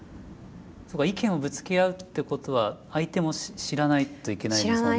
そうか意見をぶつけ合うってことは相手も知らないといけないですもんね。